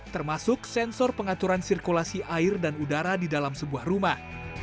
termasuk sensor pengaturan sirkulasi air dan udara di dalam sebuah rumah